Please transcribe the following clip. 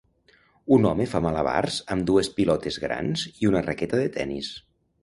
Un home fa malabars amb dues pilotes grans i una raqueta de tennis.